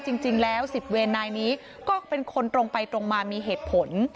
จริงแล้ว๑๐เวรนายนี้ก็เป็นคนตรงไปตรงมามีเหตุผล